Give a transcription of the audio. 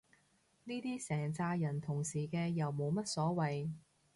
呢啲成咋人同時嘅又冇乜所謂